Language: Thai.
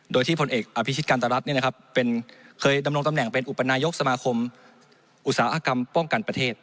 โดยที่ผลเอกอภิชิตการตรัสเป็นอุปนายกสมาคมอุตสาหกรรมป้องกันประเทศ